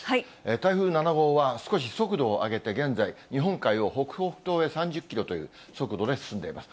台風７号は、少し速度を上げて、現在、日本海を北北東へ３０キロという速度で進んでいます。